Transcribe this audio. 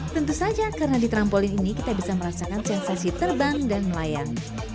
tentu saja karena di trampolin ini kita bisa merasakan sensasi terbang dan melayang